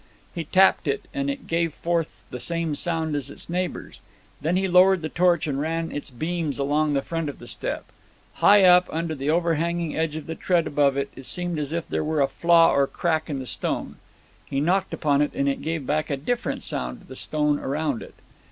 He tapped it, and it gave forth the same sound as its neighbours. Then he lowered the torch and ran its beams along the front of the step; high up, under the overhanging edge of the tread above it, it seemed as if there were a flaw or crack in the stone. He knocked upon it, and it gave back a different sound to the stone around it.